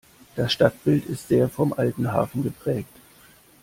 Das Stadtbild ist sehr vom alten Hafen geprägt.